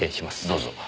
どうぞ。